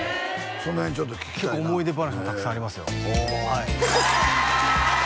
その辺ちょっと聞きたいな思い出話もたくさんありますよ